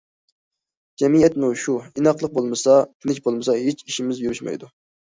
جەمئىيەتمۇ شۇ، ئىناقلىق بولمىسا، تىنچ بولمىسا ھېچ ئىشىمىز يۈرۈشمەيدۇ.